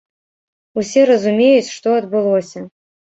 Усе разумеюць, што адбылося.